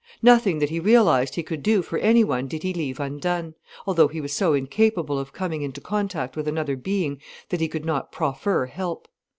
Nothing that he realized he could do for anyone did he leave undone, although he was so incapable of coming into contact with another being, that he could not proffer help.